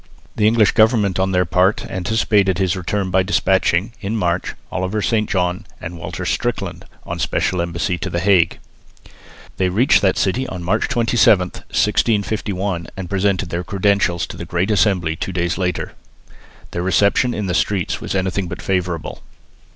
The English government on their part anticipated his return by despatching, in March, Oliver St John and Walter Strickland on a special embassy to the Hague. They reached that city on March 27, 1651, and presented their credentials to the Great Assembly two days later. Their reception in the streets was anything but favourable.